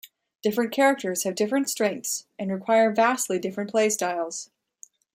Different characters have different strengths and require vastly different playstyles.